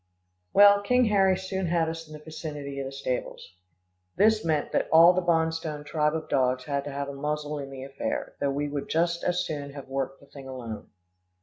Well, King Harry soon had us in the vicinity of the stables. This meant that all the Bonstone tribe of dogs had to have a muzzle in the affair, though we would just as soon have worked the thing alone.